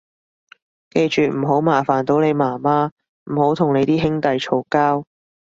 記住唔好麻煩到你媽媽，唔好同你啲兄弟嘈交